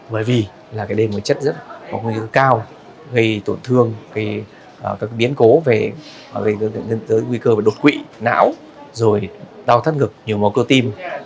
bởi vì đây là một chất rất cao gây tổn thương các biến cố về nguy cơ đột quỵ não đau thắt ngực nhiều mối cơ tim